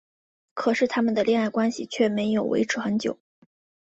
可是他们的恋爱关系却没有维持很久。